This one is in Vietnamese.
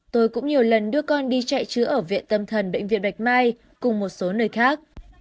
tôi cũng nhiều lần đưa con đi chạy chữa ở viện tâm thần bệnh viện bạch mai cùng một số nơi khác